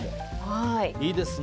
いいですね。